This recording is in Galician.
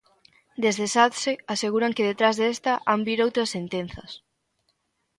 Desde Satse aseguran que detrás desta han vir outras sentenzas.